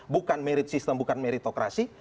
bukan merit sistem bukan meritokrasi